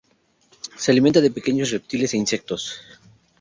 Se alimenta de pequeños reptiles e insectos.